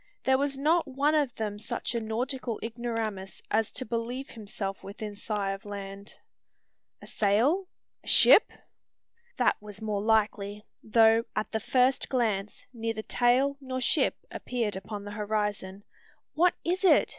There was not one of them such a nautical ignoramus as to believe himself within sigh of land. "A sail? a ship?" That was more likely: though, at the first glance, neither tail nor ship appeared upon the horizon, "What is it?"